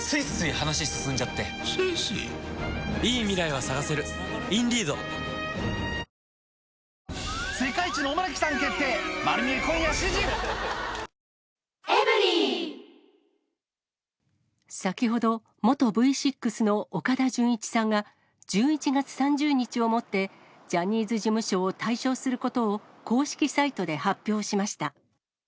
はぁ「サントリー生ビール」新しいみんなの「生ビール」先ほど、元Ｖ６の岡田准一さんが、１１月３０日をもって、ジャニーズ事務所を退所することを公式サイトで発表しました。